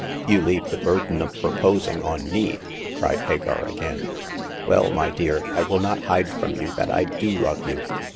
You leave the burden of proposing on me," cried Hagar, again. Well, my dear, I will not hide from you that I do love you.